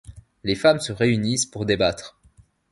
Les femmes se réunissent pour débattre.